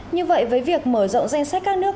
như vậy với việc mở rộng danh sách các nước